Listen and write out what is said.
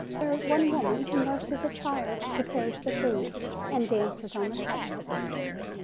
There is one woman who nurses a child, prepares the food, and dances on the tight rope.